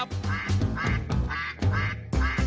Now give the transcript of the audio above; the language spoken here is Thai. โปรดติดตามตอนต่อไป